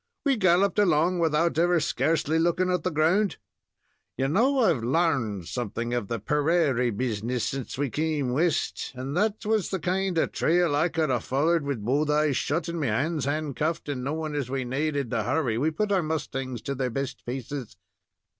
We galloped along, without ever scarcely looking at the ground. You know I've larned something of the perarie business since we came West, and that was the kind of trail I could have follered wid both eyes shut and me hands handcuffed, and, knowing as we naaded to hurry, we put our mustangs to their best paces."